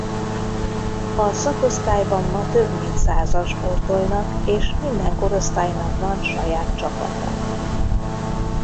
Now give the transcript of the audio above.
A szakosztályban ma több mint százan sportolnak és minden korosztálynak van saját csapata.